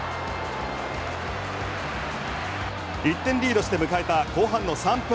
１点リードして迎えた後半の３分。